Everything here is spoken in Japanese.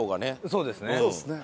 そうですね。